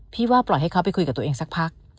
พี่ว่าปล่อยให้เขาไปคุยกับตัวเองสักพัก